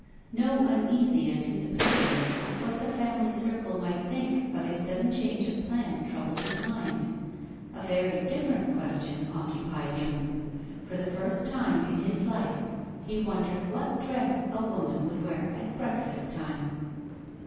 No uneasy anticipation of what the family circle might think of his sudden change of plan troubled his mind. A very different question occupied him. For the first time in his life, he wondered what dress a woman would wear at breakfast time.